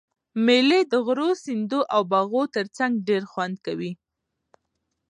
مېلې د غرو، سیندو او باغو ترڅنګ ډېر خوند کوي.